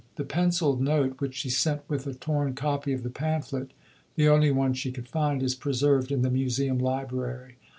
The pencilled note which she sent with a torn copy of the pamphlet, the only one she could find, is preserved in the Museum Library.